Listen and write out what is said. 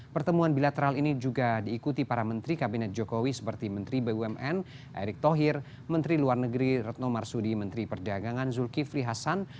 pertemuan bilateral ini juga diikuti para menteri kabinet jokowi seperti menteri bumn erick thohir menteri luar negeri retno marsudi menteri perdagangan zulkifli hasan